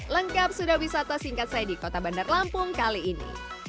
lengkap sudah wisata singkat saya di kota bandar lampung kali ini